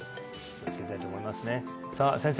気をつけたいと思いますねさあ先生